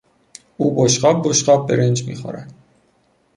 او بشقاب بشقاب برنج میخورد.